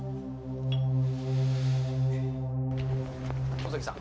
大崎さん。